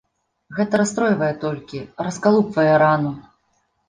Гэта расстройвае толькі, раскалупвае рану.